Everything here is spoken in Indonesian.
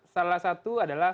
salah satu adalah